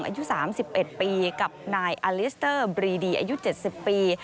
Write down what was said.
อายุ๓๑ปีกับนายอลิสเตอร์บรีดีอายุ๗๐ปี